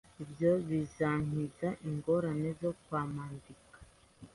Ibyo bizankiza ingorane zo kumwandikira